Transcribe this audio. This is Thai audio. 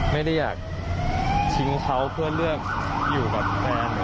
ไม่ได้อยากทิ้งเขาเพื่อเลือกอยู่กับแฟน